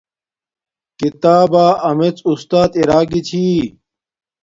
کتابا امیڎ اُستات ارا گی چھی